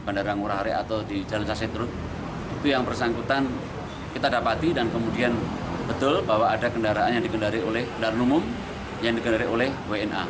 bandara ngurah rai atau di jalan sasetrut itu yang bersangkutan kita dapati dan kemudian betul bahwa ada kendaraan yang dikendari oleh kendaraan umum yang digendari oleh wna